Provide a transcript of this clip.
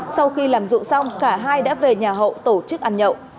sau khi làm dụng xong cả hai đã về nhà hậu tổ chức ăn nhậu